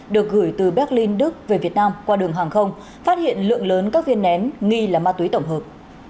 được gửi từ berlin đức về việt nam qua đường hàng không phát hiện lượng lớn các viên nén nghi là ma túy tổng hợp